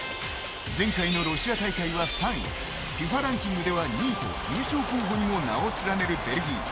前回のロシア大会は３位ＦＩＦＡランキングでは２位と優勝候補にも名を連ねるベルギー。